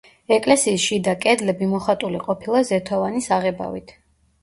ეკლესიის შიდა კედლები მოხატული ყოფილა ზეთოვანი საღებავით.